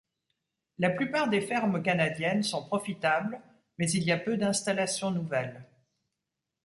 La plupart des fermes canadiennes sont profitables, mais il y a peu d’installations nouvelles.